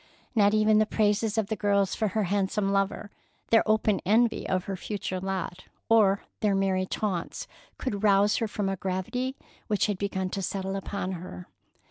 Not even the praises of the girls for her handsome lover, their open envy of her future lot, or their merry taunts, could rouse her from a gravity which had begun to settle upon her.